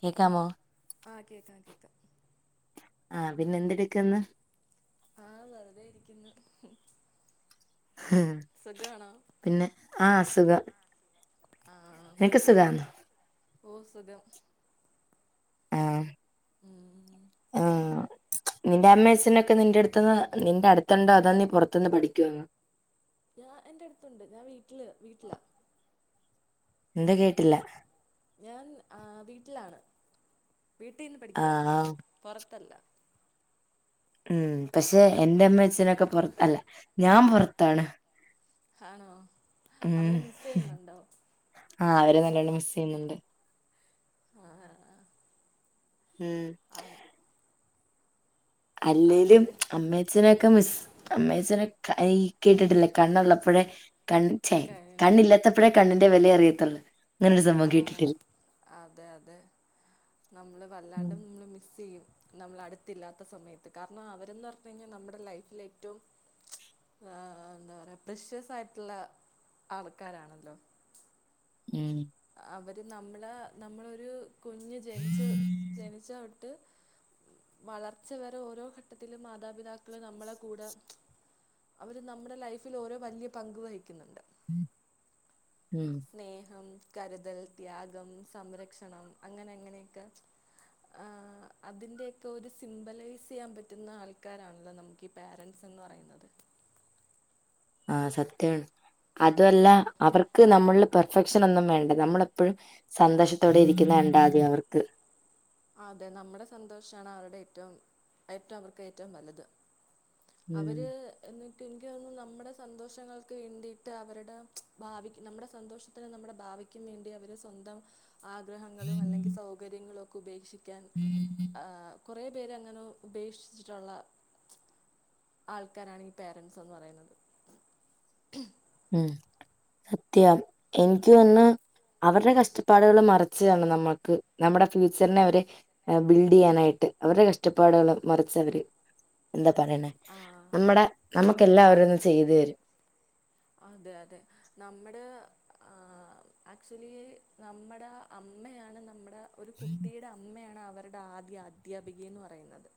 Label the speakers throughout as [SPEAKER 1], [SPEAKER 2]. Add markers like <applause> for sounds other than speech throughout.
[SPEAKER 1] കേക്കാമോ
[SPEAKER 2] ആഹ് കേക്കാം കേക്കാം
[SPEAKER 1] ആഹ് പിന്നെ ന്തെടുക്കന്ന്?
[SPEAKER 2] ആഹ് വെറുതെ ഇരിക്കുന്നു
[SPEAKER 1] ഹ്
[SPEAKER 2] സുഖാണോ
[SPEAKER 1] പിന്നെ ആഹ് സുഖം
[SPEAKER 2] ആഹ്
[SPEAKER 1] നിനക്ക് സുഖാന്നോ
[SPEAKER 2] ഓ സുഖം
[SPEAKER 1] ആഹ്
[SPEAKER 2] ഉം
[SPEAKER 1] ആഹ് നിന്റെ അമ്മേ അച്ഛനൊക്കെ നിന്റെ അടുത്തന്ന് നിന്റെ അടുത്തുണ്ടോ അതോനീ പുറത്ത് നിന്ന് പഠിക്കുവ
[SPEAKER 2] ഞാഎന്റെറ അടുത്തുണ്ട് ഞാൻ വീട്ടില് വീട്ടിലാ
[SPEAKER 1] എന്താ കേട്ടില്ല
[SPEAKER 2] ഞാൻ ആ വീട്ടിലാണ് വീട്ടിൽന്ന് പഠിക്കുവാ
[SPEAKER 1] ആഹ്
[SPEAKER 2] പെറത്തല്ല
[SPEAKER 1] ഉും പക്ഷെ, എന്റെ അമ്മ അച്ചനൊക്കെ പുറത്ത് അല്ല. ഞാം പുറത്താണ്.
[SPEAKER 2] ആണോ? അവരെ
[SPEAKER 1] ഉും
[SPEAKER 2] മിസ് ചെയ്യുന്നുണ്ടോ
[SPEAKER 1] ആഹ് അവര് നല്ലോണം മിസ് ചെയ്യുന്നുണ്ട്.
[SPEAKER 2] ആഹ് ആഹ് അഹ്
[SPEAKER 1] ഉും
[SPEAKER 2] <unintelligible>
[SPEAKER 1] അല്ലേലും
[SPEAKER 2] അവര്
[SPEAKER 1] അമ്മൻ അച്ഛനൊക്കെ മിസ് അമ്മേച്ചനെ കൈ കിട്ടിട്ടില്ല കണ്ണുള്ള അപ്പോഴെ കണ് ചെ
[SPEAKER 2] കഴി
[SPEAKER 1] കണ്ണില്ലാത്തപ്പോഴേ കണ്ണിന്റെ വില അറിയത്തുള്ളൂ. അങ്ങനൊരു സംഭവം
[SPEAKER 2] ആഹ്
[SPEAKER 1] കേട്ടിട്ടില്ലേ
[SPEAKER 2] അതെ അതെ നമ്മള്
[SPEAKER 1] ഉം
[SPEAKER 2] വല്ലാണ്ട് നമ്മള് മിസ്സ് ചെയ്യും. നമ്മളടുത്തില്ലാത്ത സമയത്ത് കാരണം അവരന്ന് പറഞ്ഞു കഴിഞ്ഞാൽ നമ്മുടെ ലൈഫിൽ ഏറ്റവും ആഹ് ആഹ് എന്താ പറയാ പ്രിഷസ് ആയിട്ടുള്ള ആൾക്കാരാണല്ലോ?
[SPEAKER 1] <unintelligible>
[SPEAKER 2] അവര് നമ്മളെ നമ്മളൊരു കുഞ്ഞ് ജനിച്ച ജനിച്ചൊട്ട് വളർച്ച വരെ ഓരോ ഘട്ടത്തിലും മാതാപിതാക്കള് നമ്മളെ കൂടെ അവര് നമ്മുടെ ലൈഫിൽ ഓരോ വല്ല്യ പങ്ക് വഹിക്കുന്നുണ്ട്.
[SPEAKER 1] ഉും
[SPEAKER 2] സ്നേഹം കരുതൽ ത്യാഗം സംരക്ഷണം അങ്ങനെ അങ്ങനെയൊക്കെ? ആ അതിന്റെക്കെ ഒരു സിംമ്പലൈസ് ചെയ്യാൻ പറ്റുന്ന ആൾക്കാരാണല്ലോ? നമുക്ക് ക്കി പാരൻറ്സ് എന്ന് പറയുന്നത്.
[SPEAKER 1] ആ സത്യാണ്. അതുല്ല അവർക്ക് നമ്മൽള് പെർഫെക്ഷൻ ഒന്നും വേണ്ട നമ്മളെപ്പോഴും സന്തോഷത്തോടെ ഇരിക്കുന്ന കണ്ടാതെ അവർക്ക്
[SPEAKER 2] ആഹ് അതെ നമ്മടെ സന്തോഷാണ് അവരുടെ ഏറ്റവും ഏറ്റവും അവർക്ക് ഏറ്റവും വല്ലത്.
[SPEAKER 1] ഉം
[SPEAKER 2] അവര് എന്നിട്ട് എനിക്ക് തോന്നുന്നു നമ്മുടെ സന്തോഷങ്ങൾക്ക് വേണ്ടിയിട്ട് അവരുടെ ഭാവിക് നമ്മുടെ സന്തോഷത്തിന് നമ്മുടെ ഭാവി കും വേണ്ടി അവര് സ്വന്തം ആഗ്രഹങ്ങളും അല്ലെങ്കിൽ സൗകര്യങ്ങളും ഒക്കെ ഉപേക്ഷിക്കാൻ
[SPEAKER 1] <unintelligible>
[SPEAKER 2] ആഹാ കുറെ പേര് അങ്ങനെ ഉപേക്ഷിച്ചിട്ടുള്ള ആൾക്കാരാണ് ഈ പേരൻസ്ന്ന് പറയുന്നത്
[SPEAKER 1] ഉും സത്യം എനിക്ക് വന്നാ അവരുടെ കഷ്ടപ്പാടുകൾ മറച്ചി അണ് നമ്മുക്ക് നമ്മുടെ ഫ്യൂച്ചറിനെ അവരെ ബിൽഡ് യ്യാനായിട്ട് അവരുടെ കഷ്ടപ്പാട്കള മറച്ച് അവര് എന്താ പറയണേ
[SPEAKER 2] ആഹ്
[SPEAKER 1] നമ്മുടെ നമുക്ക്ല്ലാവരും ഒന്ന് ചെയ്തു തരും.
[SPEAKER 2] അതെ അതെ നമ്മടെ ആഹ് ആക്ച്വലി നമ്മുടെ അമ്മയാണ് നമ്മടെ ഒരു കുട്ടിയുടെ അമ്മയാണ് അവരുടെ ആദ്യ അധ്യാപിക എന്ന് പറയുന്നത്.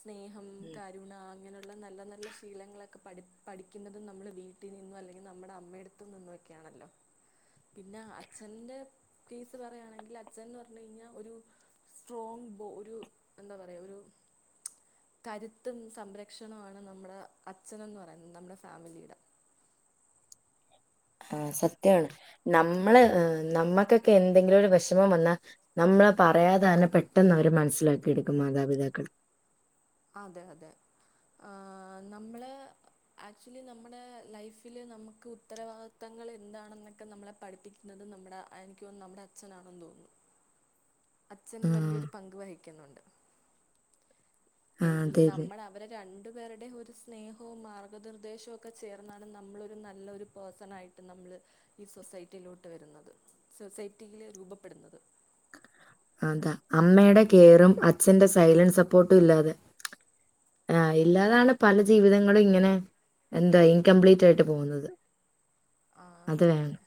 [SPEAKER 2] സ്നേഹ ഉും കരുണ അങ്ങനെയുള്ള നല്ല നല്ല ശീലങ്ങളൊക്കെ പഠ പഠിക്കുന്നതും നമ്മൾ വീ കുട്ടി നിന്നോ അല്ലെങ്കിൽ നമ്മുടെ അമ്മയടുത്തും നിന്നോ ഒക്കെയാണല്ലോ? പിന്നെ അച്ഛൻ്റെ ഫീസ് പറയാണെങ്കിൽ അച്ഛൻന്ന് പറഞ്ഞ് കഴിഞ്ഞാൽ ഒരു സ്ട്രോങ് ബോ ഒരു എന്താ പറയ ഒരു കരുത്തും സംരക്ഷണമാണ് നമ്മുടെ അച്ഛനന്ന് പറയുന്നത് നമ്മുടെ ഫാമിലിയുടെ
[SPEAKER 1] ആഹ സത്യണ് നമ്മള് നമ്മുക്കൊക്കെ എന്തെങ്കിലും ഒരു വിഷമം വന്നാ നമ്മള് പറയാതെന്നെ പെട്ടെന്ന് അവര് മനസ്സിലാക്കി എടുക്കും മാതാപിതാക്കൾ
[SPEAKER 2] അതെ അതെ നമ്മള് ആക്ച്വലി നമ്മുടെ ലൈഫില് നമുക്ക് ഉത്തരവാദിത്തങ്ങൾ എന്താണെന്നൊക്കെ നമ്മളെ പഠിപ്പിക്ക എന്നത് നമ്മുടെ എനിക്ക്ന്ന നമ്മുടെ അച്ഛനാണെന്ന് തോന്നുന്നു. അച്ഛൻ
[SPEAKER 1] ആഹ്
[SPEAKER 2] വലിയൊരു പങ്ക് വഹിക്കുന്നുണ്ട്.
[SPEAKER 1] ആ
[SPEAKER 2] എനി ഈ
[SPEAKER 1] അതെ അതെ
[SPEAKER 2] നമ്മളെ അവരെ രണ്ടു പേരുടെയും ഒരു സ്നേഹവും, മാർഗ്ഗനിർദ്ദേശവും, ഒക്കെ ചേർന്നാണ് നമ്മളൊരു നല്ലൊരു പേഴ്സൺായിട്ട് നമ്മള് ഈ സൊസൈറ്റിയിലോട്ട് വരുന്നത് സൊസൈറ്റിൽ രൂപപ്പെടുന്നത്
[SPEAKER 1] അതാ അമ്മയുടെ കെയറും അച്ഛന്റെ സൈലന്റ് സപ്പോർട്ടും ഇല്ലാതെ ആ ഇല്ലാതാണ് പല ജീവിതങ്ങളും ഇങ്ങനെ എന്താ ഇൻകംപ്ലീറ്റ് ആയിട്ട് പോകുന്നത്
[SPEAKER 2] ആ
[SPEAKER 1] അത്
[SPEAKER 2] അതെ അതെ
[SPEAKER 1] വേണം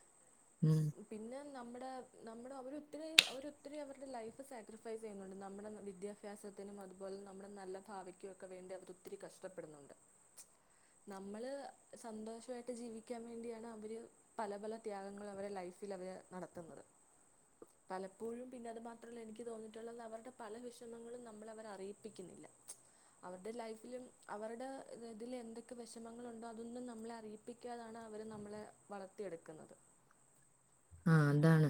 [SPEAKER 1] ഉം
[SPEAKER 2] പിന്നെ നമ്മുടെ നമ്മുടെ അവരൊത്തിരി അവരൊത്തിരി അവരുടെ ലൈഫ് സാക്രിഫൈസ് ചെയ്യുന്നുണ്ട് നമ്മുടെ വിദ്യാ അഭ്യാസത്തിനും അതുപോലെ നമ്മുടെ നല്ല ഭാവക്കും ഒക്കെ വേണ്ടി അവത് ഒത്തിരി കഷ്ടപ്പെടുന്നുണ്ട് നമ്മള് സന്തോഷമായിട്ട് ജീവിക്കാൻ വേണ്ടിയാണ് അവര് പല പല ത്യാഗങ്ങൾ അവരു ലൈഫിൽ അവര് നടത്തുന്നത് പലപ്പോഴും പിന്നെ അത് മാത്രമല്ല എനിക്ക് തോന്നിട്ടുള്ളത് അവരുടെ പല വിഷമങ്ങളും നമ്മള അവരെ അറിയിപ്പിക്കുന്നില്ല അവരുടെ ലൈഫിലും അവരുടെ ഇതിൽ എന്തൊക്കെ വിഷമങ്ങളുണ്ടോ അതൊന്നും നമ്മളെ അറിയി ഠിപ്പിക്കാതാണ് അവര് നമ്മളെ വളർത്തിയെടുക്കുന്നത്
[SPEAKER 1] ആഹ് അതാണ്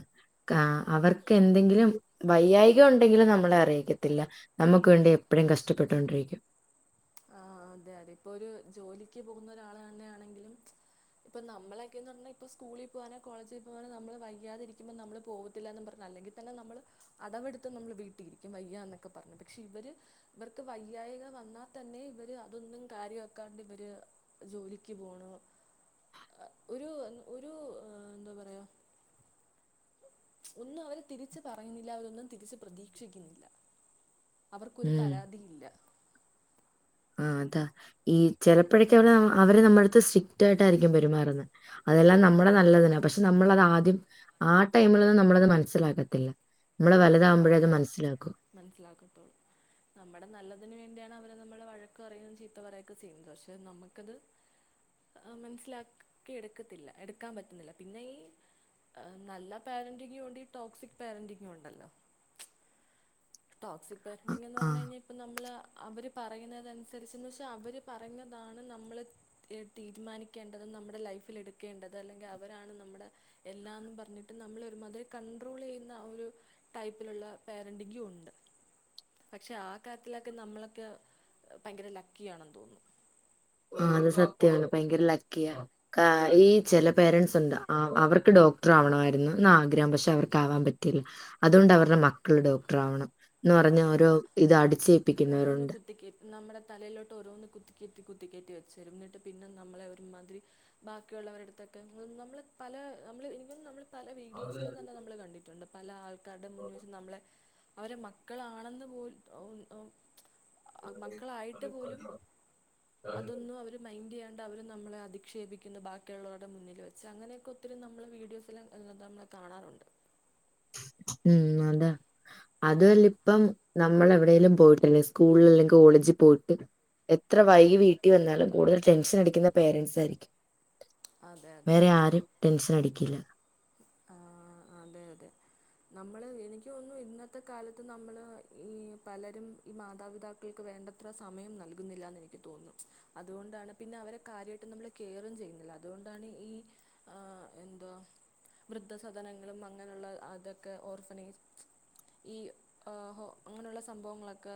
[SPEAKER 1] ആ അവർക്ക് എന്തെങ്കിലും വൈയായികം ഉണ്ടെങ്കിലും നമ്മളെ അറിയിക്കത്തില്ല നമുക്ക് വേണ്ടി എപ്പഴും കഷ്ടപ്പെട്ടൊണ്ടിരിക്കും
[SPEAKER 2] ആഹ് അതെ അതെ ഇപ്പൊ ഒരു ജോലിക്ക് പോകുന്ന ഒരാള് തന്നൊണെങ്കിലും ഇപ്പം നമ്മളൊക്കെയ പറഞ്ഞാ ഇപ്പോൾ സ്കൂളിൽ പോകാനോ കോളേജിൽ പോവാനോ നമ്മള് വൈകാതിരിക്കുമ്പം നമ്മൾ പോകത്തില്ല എന്ന് പറഞ്ഞ അല്ലെങ്കിൽ തന്നെ നമ്മള് അടവെടുത്ത് നമ്മൾ വീട്ടിലരിക്കും വയ്യ എന്നൊക്കെ പറഞ്ഞു പക്ഷെ ഇവര് ഇവർക്ക് വയ്യായിക വന്നാൽ തന്നെ ഇവര് അതൊന്നും കാര്യമാക്കാണ്ട് ഇവര് ജോലിക്ക് പോണ ഒരു ഒരു എന്താ പറയാ ഒന്നും അവരെ തിരിച്ച് പറയുന്നില്ല അവരൊന്നും തിരിച്ച് പ്രതീക്ഷിക്കുന്നില്ല അവർക്കൊരു
[SPEAKER 1] ഉം
[SPEAKER 2] പരാതിയില്ല
[SPEAKER 1] ആ അതാ ഈ ചെിലപ്പോഴേക്കെ അടെ അവരെ നമ്മുടെടുത്ത് സ്ട്രിക്റ്റ് ആയിട്ടായിരിക്കും പെരുമാറുന്നത് അതെല്ലാം നമ്മുടെ നല്ലതിനാ പക്ഷെ നമ്മളത് ആദ്യം ആ ടൈമിൽൊന്നും നമ്മളത് മനസ്സിലാക്കത്തില്ല നമ്മള വലതാകുമ്പോഴേ അത് മനസ്സിലാക്കും
[SPEAKER 2] മനസ്സിലാക്കത്തോള്ളൂ നമ്മുടെ നല്ലതിനന് വേണ്ടിയാണ് അവര് നമ്മെ വഴക്ക പറയുന്നു ചീത്ത പറയുകൊക്കെ ചെയ്യുന്നത് പക്ഷെ നമുക്കത് മനസ്സിലാക്കി എടുക്കത്തില്ല എടുക്കാൻ പറ്റുന്നില്ല പിന്നെ ഈ നല്ല പാരൻന്റിങ്ങും ഉണ്ട് ഈ ടോക്സിക് പാരന്റിങ്ങും ഉണ്ടല്ലോ ടോസിക്
[SPEAKER 1] ആ
[SPEAKER 2] പറിിങ്ന്ന്
[SPEAKER 1] ആ.
[SPEAKER 2] പറഞ്ഞ കഴിാൽ അപ്പ നമ്മള് അവര് പറയുന്നതനുസരിച്ചെന്ന് പക്ഷെ അവര് പറഞ്ഞതാണ് നമ്മള് തീരുമാനിക്കേണ്ടത് നമ്മുടെ ലൈഫിൽ എടുക്കേണ്ടത് അല്ലെങ്കിൽ അവരാണ് നമ്മുടെ എല്ലാന്ന് പറഞ്ഞിട്ട് നമ്മൾ ഒരു മതിരി കണ്ട്രോൾ ചെയ്യുന്ന ആ ഒരു ടൈപ്പിലുള്ള പേരൻറിങ് ഉണ്ട് പക്ഷെ ആ കാര്ത്തിലൊക്കെ നമ്മളൊക്കെ ഭയങ്കര ലക്കി ആണെന്ന് തോന്നുന്നു
[SPEAKER 1] ആഹ് അത് സത്യമാണ് ഭയങ്കര ലക്കിയ ഈ ചില പേരൻസ് ഉണ്ട് അവർക്ക് ഡോക്ടർ ആവണമായിരുന്നുന്ന് ആഗ്രഹം പക്ഷെ അവർക്ക് ആവാൻ പറ്റിയില്ല അതുകൊണ്ട് അവരുടെ മക്കൾ ഡോക്ടർ ആവണം എന്ന് പറഞ്
[SPEAKER 2] അതെ
[SPEAKER 1] ഓരോ ഇത്
[SPEAKER 2] ഓരോന്ന്
[SPEAKER 1] അടിച്ചേപ്പിക്കുന്നവരുണ്ട്
[SPEAKER 2] കുത്തിക്കേറ്റി നമ്മുടെ തലയിലോട്ട് ഓരോന്ന് കുത്തിക്കെത്തി കുത്തിക്കെറ്റി വെച്ചിരും ഇങ്ങട്ട് പിന്നെ നമ്മളെ ഒരു മാതിരി ബാക്കിയുള്ളവരുടുത്തൊക്കെ നമ്മള് പല നമ്മള് എനിക്കും നമ്മള് പല വീഡിയോസിലും തന്നെ നമ്മൾ കണ്ടിട്ടുണ്ട് പല ആൾക്കാരുടെ മുന്നിൽ വച്ച് നമ്മളെ അവരെ മക്ക.. മക്കളാണെന്ന് പോ മക്കളായിട്ട് പോലും അതൊന്നും അവർ മൈൻഡ് ചെയ്യാണ്ടഅവർ നമ്മളെ അധിക്ഷേപിക്കുന്നു ബാക്കിയുള്ളവരുടെ മുന്നിൽ വെച്ച് അങ്ങനെയൊക്കെ ഒത്തിരി നമ്മൾ വീഡിയോസില് എല്ലതും നമ്മൾ കാണാറുണ്ട്
[SPEAKER 1] ഉം അതാണ് അതല്ല ഇപ്പം നമ്മള എവിടൈലും പോയിട്ടല്ലെ സ്കൂളിൽ ഒക്കെ ഒളിച്ചു പോയിട്ട് എത്ര വൈകി വീട്ടിൽ വന്നാലും കൂടുതൽ ടെൻഷൻ അടിക്കുന്ന പേരൻസ് ആയിരിക്കും
[SPEAKER 2] അതെ
[SPEAKER 1] വേറെ ആരും ടെന്ഷൻ അടിക്കില്ല
[SPEAKER 2] ആ അതെ അതെ നമ്മള് എനിക്ക് തോന്നുന്നു ഇന്നത്തെ കാലത്ത് നമ്മള് ഈ പലരും ഈ മാതാപിതാക്കൾക്ക് വേണ്ടത്ര സമയം നൽകുന്നില്ലന്ന് എനിക്ക് തോന്നുന്നു അതുകൊണ്ടാണ് പിന്നെ അവരെ കാര്യയിട്ടും നമ്മള് കെയറും ചെയ്യുന്നില്ല അതുകൊണ്ടാണ് ഈ ആഎന്താ വൃദ്ധസദനങ്ങളും അങ്ങനെയുള്ള അതൊക്കെ ഓർഫനൈജ് ഈ ഓഹോ അങ്ങനെയുള്ള സംഭവങ്ങളൊക്കെ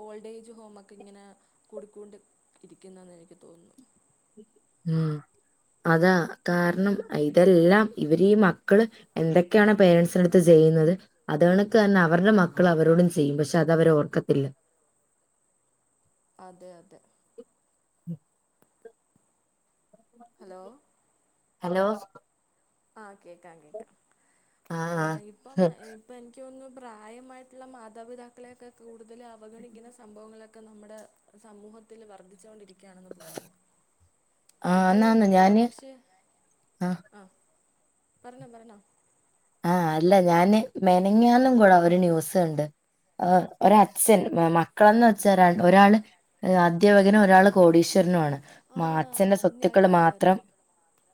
[SPEAKER 2] ഓൾഡജ് ഹോമ ക്കെ ഇങ്ങനകുടി ക്കൊണ്ട് ഇരിക്കുന്നെന്ന് എനിക്ക് തോന്നുന്ന
[SPEAKER 1] ഉം അതാ കാരണം ഇതെല്ലാം ഇവര് ഈ മക്കള് എന്തൊക്കെയാണ് പേരൻസിനടുത്ത് ചെയ്യുന്നത് അത ണക്ക തന്നെ അവരുടെ മക്കൾ അവരോടും ചെയ്യും പക്ഷെ അത് അവരെ ഓർക്കത്തില്ല
[SPEAKER 2] അതെ അതെ ഹലോ
[SPEAKER 1] ഹലോ
[SPEAKER 2] ആഹ് കേക്കാം കേക്കാം ആ ഇപ്പം ഇപ്പൊ എനിക്ക് തോന്നുന്നു പ്രായമായിട്ടുള്ള മാതാപിതാക്കളെൊക്കെ കൂടുതൽ അവഗണിക്കുന്ന സംഭവങ്ങളൊക്കെ നമ്മുടെ സമൂഹത്തിൽ വർദ്ധിച്ചുകൊണ്ടിരിക്കും ണെന്ന് തോന്നുന്നു ഇത് ഏ പക്ഷെ
[SPEAKER 1] ആഹ
[SPEAKER 2] പറഞ്ഞോ പറഞ്ഞോ
[SPEAKER 1] ആഹ അല്ല ഞാന് മെനഞ്ഞാന്ന് കൂടെ ഒരു ന്യൂസ് കണ്ടു അച്ഛൻ മക്കളെന്ന് വെച്ചാ ഒരാൾ അധ്യാപകനും ഒരാൾ കോടീശ്വരനുമാണ്
[SPEAKER 2] ആ ആ
[SPEAKER 1] അച്ഛൻ അച്ഛന്റെ
[SPEAKER 2] അത് ഞാൻ
[SPEAKER 1] സ്വത്തുക്കള് മാത്രം
[SPEAKER 2] കണ്ടായിരുന്നു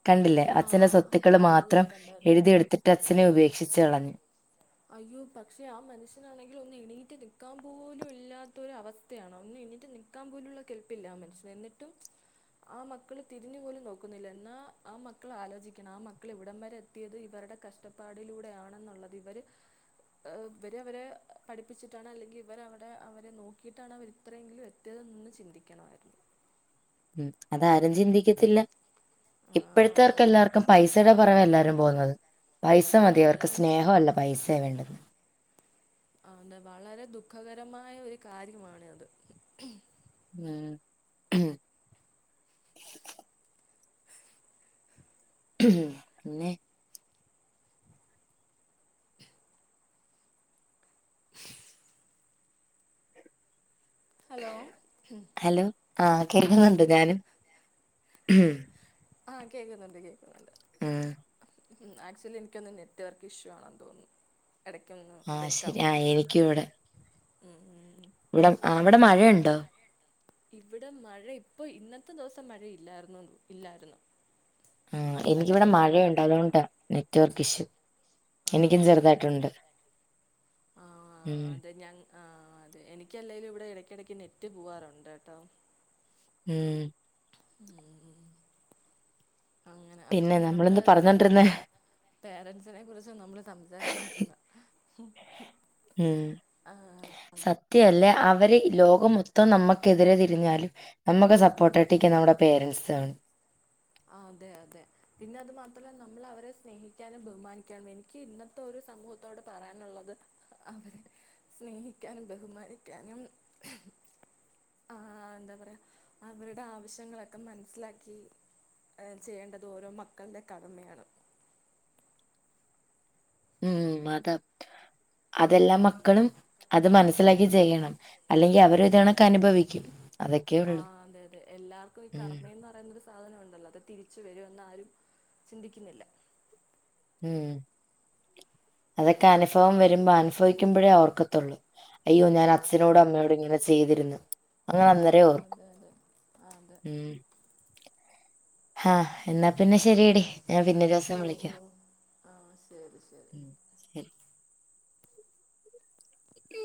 [SPEAKER 1] കണ്ടില്ലേ
[SPEAKER 2] ആ
[SPEAKER 1] അച്ഛന്റെ
[SPEAKER 2] ആ
[SPEAKER 1] സ്വത്തുക്കള്
[SPEAKER 2] അത്
[SPEAKER 1] മാത്രം
[SPEAKER 2] ഞാൻ കണ്ടായിരുന്നു
[SPEAKER 1] എഴുതി എടുത്തിട്ട് അച്ഛനെ ഉപേക്ഷിച്ച് കളഞ്ഞു
[SPEAKER 2] അയ്യോ പക്ഷെ ആ മനുഷ്യനാണെങ്കിൽ ഒന്ന് എണീറ്റ് നിൽക്കാൻ പോലും ഇല്ലാത്തൊരു അവസ്ഥ ഒന്ന്‌ എണിറ്റ് നൽക്കാൻ പോലുള്ള കെൽപ്പ്ല്ലആ മനു ഷൻ എന്നിട്ടും ആ മക്കള് തിരിഞ്ഞു പോലും നോക്കുന്നില്ല എന്നാ ആ മക്കള് ആലോചിക്കണം ആ മക്കൾ ഇവിടം വരെ എത്തി യത് ഇവരുടെ കഷ്ടപ്പാടിലൂടെയാണെന്നുള്ളത് ഇവർ ഇവര് അ വരെ പഠിപ്പിച്ചിട്ടാണ് അല്ലെങ്കിൽ ഇവരടെ അവരെ നോക്കിയിട്ടാണ് അവരെ ഇത്രയെങ്കിലും എത്തിയത്എന്ന് ചിന്തിക്കണമായിരുന്നു
[SPEAKER 1] ഉം അതാരും ചിന്തിക്കത്തില്ല
[SPEAKER 2] ആ
[SPEAKER 1] ഇപ്പോഴത്തെേർക്ക്
[SPEAKER 2] അതെ
[SPEAKER 1] എല്ലാവർക്കും പൈസയുടെ പൊറകെഎല്ലാവരും പോകുന്നത് പൈസ
[SPEAKER 2] പോണം
[SPEAKER 1] മതി അവർക്ക്
[SPEAKER 2] അതായത്
[SPEAKER 1] സ്നേഹമല്ല പൈസയാ വേണ്ടത്
[SPEAKER 2] ആ അതെ വളരെ ദുഃഖകരമായ ഒരു കാര്യമാണ് അത്
[SPEAKER 1] ഉം പിന്നെ
[SPEAKER 2] ഹലോ
[SPEAKER 1] ഹലോ ആ കേൾക്കുന്നുണ്ട് ഞാനും
[SPEAKER 2] ആഹ കേക്കുന്നുണ്ട് കേൾക്കുന്നുണ്ട്
[SPEAKER 1] ആഹ
[SPEAKER 2] ഉ ആക്ച്വലി എനിക്കൊന്ന് നെറ്റ്വർക്ക് ഇഷ്യൂ ആണെന്ന് തോന്നുന്നു ഇടയ്ക്കൊന്ന്
[SPEAKER 1] ആഹ് ശരി ആഹ്
[SPEAKER 2] ബ്രേക്കാവുന്നുണ്ട്
[SPEAKER 1] എനിക്കും ഇവിടെ ഇവിടെ ആ അവിടെ മഴയുണ്ടോ
[SPEAKER 2] ഇവിടെ മഴ ഇപ്പൊ ഇന്നത്തെ ദിവസം മഴ ഇല്ലായിരുന്ന ഇല്ലായിരുന്നു
[SPEAKER 1] ഉം എനിക്കിവിടെ
[SPEAKER 2] ഇന്നലെയൊക്കെ നല്ല
[SPEAKER 1] മഴയുണ്ട്
[SPEAKER 2] മഴയായിരുന്നു
[SPEAKER 1] അതുകൊണ്ട് നെറ്റ്വർക്ക് ഇഷ്യൂ
[SPEAKER 2] ആ
[SPEAKER 1] എനിക്കും ചെറുതായിട്ടുണ്ട്
[SPEAKER 2] ആ
[SPEAKER 1] ഉം
[SPEAKER 2] അതെ ഞാൻ ആ അതെ എനിക്കല്ലെങ്കലും ഇവിടെ ഇടക്കിടക്ക് നെറ്റ് പോവാറുണ്ട് കേട്ടോ
[SPEAKER 1] ഉം
[SPEAKER 2] ഉം ഉ അങ്ങനെ അപ്പം
[SPEAKER 1] പിന്നെ
[SPEAKER 2] നമ്മള്
[SPEAKER 1] നമ്മളെന്ത്
[SPEAKER 2] പേര
[SPEAKER 1] പറഞ്ഞോണ്ടിരുന്നേ
[SPEAKER 2] പേരൻസിനെ കുറിച്ച് നമ്മള് സംസാരിച്ചോണ്ടിരുന്ന
[SPEAKER 1] ഉം സത്യ അല്ലേ അവര് ലോക മൊത്തം നമ്മുക്കെതിരെ തിരിഞ്ഞാലും നമുക്ക് സപ്പോർട്ട ആട്ടി നമ്മുടെ പേരൻറ്സ് ആണ്
[SPEAKER 2] ആ അതെ അതെ പിന്നെ അതു മാത്രല്ല നമ്മൾ അവരെ സ്നേഹിക്കാനും ബഹുമാനിക്കാന എനിക്ക് ഇന്നത്തെ ഒരു സമൂഹത്തോട് പറയാനുള്ളത് അവരെ സ്നേഹിക്കാനും ബഹുമാനിക്കാനും ആ എന്താ പറയയാ അവരുടെ ആവശ്യങ്ങളൊക്കെ മനസ്സിലാക്കി ചെയ്യേണ്ടത് ഓരോ മക്കളുടെ കടമയാണ്
[SPEAKER 1] ഉം അതാ അത് എല്ലാ മക്കളും അത് മനസിലാക്കി ചെയ്യണം അല്ലെങ്കിൽ അവര് ഇതി കണക്ക് അനുഭവിക്കും അതെക്കെ
[SPEAKER 2] ആഹ് അതെ അതെ എല്ലർക്ക ഈ കർമ്മന്ന് പറ പറയുന്നരു സാധനം ഉണ്ടല്ലോ അത് തിരിച്ച വരും എന്ന് ആരും ചിന്തിക്കുന്നില്ല
[SPEAKER 1] ഉം അതൊക്കെ അനുഭവം വരുമ്പോ അനുഭവിക്കുമ്പോഴേ ഓർക്കത്തെള്ളൂ അയ്യോ ഞാൻ
[SPEAKER 2] അതെ
[SPEAKER 1] അച്ഛനോടും
[SPEAKER 2] അതെ
[SPEAKER 1] അമ്മയോടും ഇങ്ങനെ ചെയ്തിരുന്നു അങ്ങനെ
[SPEAKER 2] ആ
[SPEAKER 1] അന്നേരം ഓർക്കും
[SPEAKER 2] അതെ അതെ അതെ
[SPEAKER 1] ആഹ് എന്നാ
[SPEAKER 2] ഉം.
[SPEAKER 1] പിന്നെ ശെരിയടി ഞാൻ പിന്നേ ഒരു ദിവസം വിളിക്കാം
[SPEAKER 2] ആഹ് ശരി ശരി
[SPEAKER 1] ഉം. ശരി ഇ